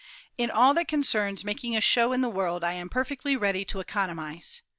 In all that concerns making a show in the world, I am perfectly ready to economize.